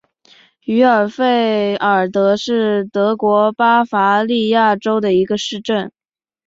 于尔费尔德是德国巴伐利亚州的一个市镇。